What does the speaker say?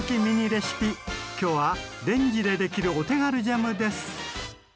きょうはレンジでできるお手軽ジャムです！